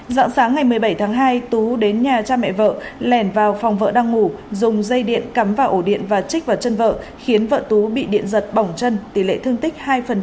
dạng sáng ngày một mươi bảy tháng hai tú đến nhà cha mẹ vợ lẻn vào phòng vợ đang ngủ dùng dây điện cắm vào ổ điện và chích vào chân vợ khiến vợ tú bị điện giật bỏng chân tỷ lệ thương tích hai